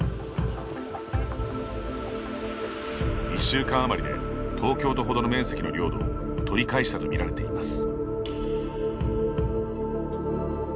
１週間余りで東京都程の面積の領土を取り返したと見られています。